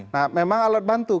nah memang alat bantu